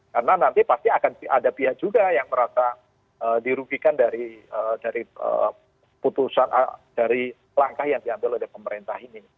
karena nanti pasti akan ada pihak juga yang merasa dirugikan dari putusan dari langkah yang diambil oleh pemerintah ini